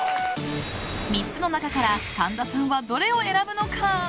３つの中から神田さんはどれを選ぶのか？